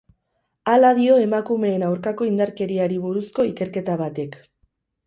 Hala dio emakumeen aurkako indarkeriari buruzko ikerketa batek.